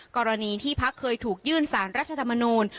กรณีที่พักเคยถูกยื่นสารรัฐธรรมนูล